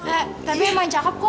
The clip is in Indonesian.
eh tapi emang cakep kok